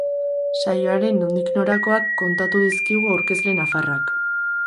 Saioaren nondik norakoak kontatu dizkigu aurkezle nafarrak.